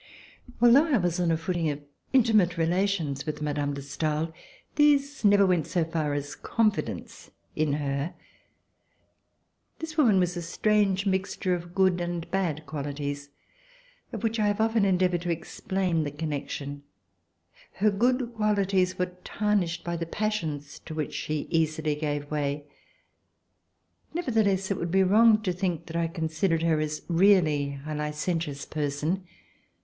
Although I was on a footing of intimate relations with Mme. de Stael, these never went so far as confidence In her. RECOLLECTIONS OF THE REVOLUTION This woman was a strange mixture of good and bad qualities, of which I have often endeavored to explain the connection. Her good qualities were tarnished by the passions to which she easily gave way. Neverthe less, it would be wrong to think that I considered her as really a licentious person.